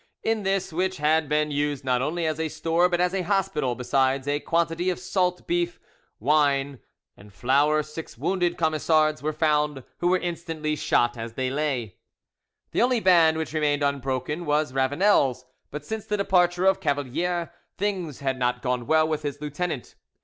In this, which had been used not only as a store but as a hospital, besides a quantity of salt beef, wine, and flour, six wounded Camisards were found, who were instantly shot as they lay. The only band which remained unbroken was Ravanel's, but since the departure of Cavalier things had not gone well with his lieutenant.